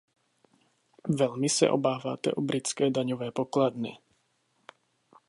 Velmi se obáváte o britské daňové pokladny.